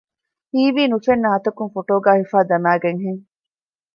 ހީވީ ނުފެންނަ އަތަކުން ފޮޓޯގައި ހިފައި ދަމައިގަތްހެން